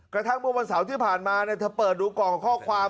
กระทั่งเมื่อวันเสาร์ที่ผ่านมาเธอเปิดดูกล่องข้อความ